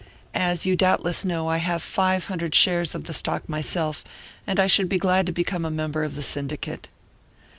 As you doubtless know, I have five hundred shares of the stock myself, and I should be glad to become a member of the syndicate."